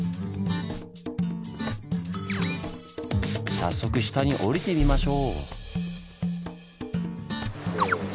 早速下に下りてみましょう！